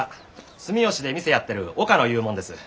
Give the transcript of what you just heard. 住吉で店やってる岡野いうもんです。